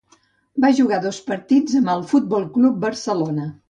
Va jugar dos partits amb el Futbol Club Barcelona.